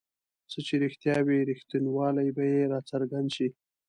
څه چې رښتیا وي رښتینوالی به یې راڅرګند شي.